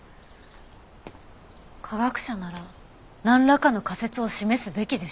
科学者ならなんらかの仮説を示すべきでしょ。